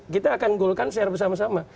kita akan golkan secara bersama sama